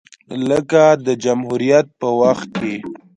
لکه د جمهوریت په وخت کې